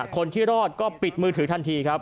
คนที่รอดก็ปิดมือถือทันทีครับ